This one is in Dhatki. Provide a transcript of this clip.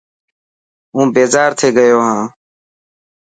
هون بيزار ٿي گيو هان.